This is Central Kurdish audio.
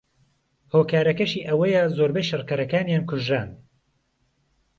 هۆکارەکەشەی ئەوەیە زۆربەی شەڕکەرەکانیان کوژران